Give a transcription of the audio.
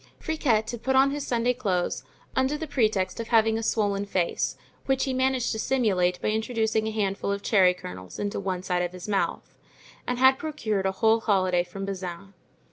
Friquet had put on his Sunday clothes, under the pretext of having a swollen face which he had managed to simulate by introducing a handful of cherry kernels into one side of his mouth, and had procured a whole holiday from Bazin.